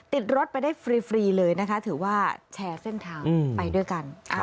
ติดรถไปได้ฟรีเลยนะคะถือว่าแชร์เส้นทางไปด้วยกัน